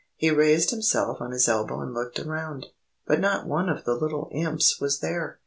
He raised himself on his elbow and looked around, but not one of the little Imps was there.